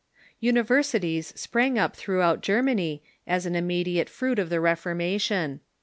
Universities sprang up throughout Germany as an imme diate fruit of the Reformation.